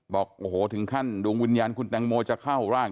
บอกโอ้โหถึงขั้นดวงวิญญาณคุณแตงโมจะเข้าร่าง